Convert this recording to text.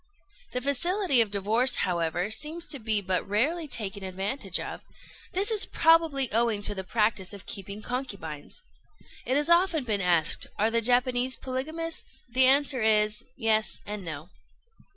The facility of divorce, however, seems to be but rarely taken advantage of: this is probably owing to the practice of keeping concubines. It has often been asked, Are the Japanese polygamists? The answer is, Yes and no.